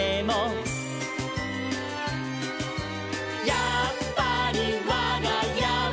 「やっぱりわがやは」